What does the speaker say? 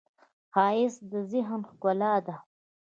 ښایست د ذهن ښکلا ده